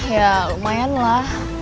ya lumayan lah